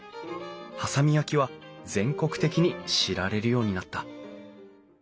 波佐見焼は全国的に知られるようになった。